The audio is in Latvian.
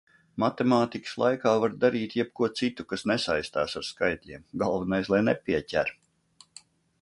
Matemātikas laikā var darīt jebko citu, kas nesaistās ar skaitļiem. Galvenais lai nepieķer!